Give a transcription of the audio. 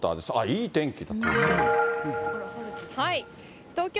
いい天気だ、東京。